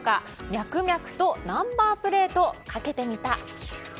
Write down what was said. ミャクミャクとナンバープレートかけてみた。